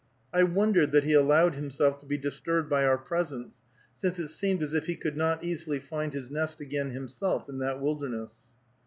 I wondered that he allowed himself to be disturbed by our presence, since it seemed as if he could not easily find his nest again himself in that wilderness.